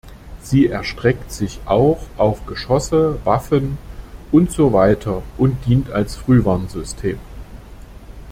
Sie erstreckt sich auch auf Geschosse, Waffen und so weiter und dient als Frühwarnsystem.